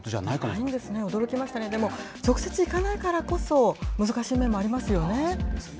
ないんですね、驚きましたね、でも、直接行かないからこそ難しい面もありますよ